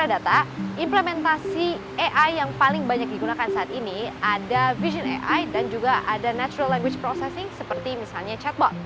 data implementasi ai yang paling banyak digunakan saat ini ada vision ai dan juga ada natural language processing seperti misalnya chatbot